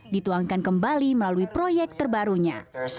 dituangkan kembali melalui proyek terbarunya